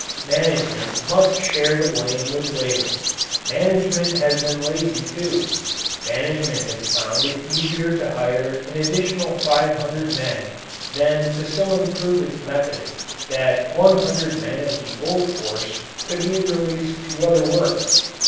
Management must share the blame with labour. Management has been lazy, too. Management has found it easier to hire an additional five hundred men than to so improve its methods that one hundred men of the old force could be released to other work.